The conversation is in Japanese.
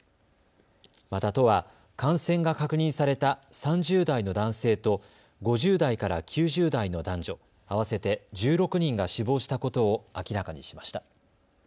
また、都は感染が確認された３０代の男性と５０代から９０代の男女、合わせて１６人が死亡したことを明らかにしました。